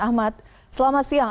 ahmad selamat siang